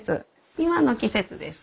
今の季節ですと